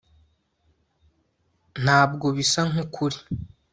ntabwo bisa nkukuri